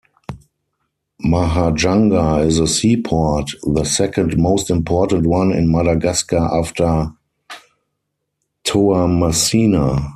Mahajanga is a seaport, the second most important one in Madagascar after Toamasina.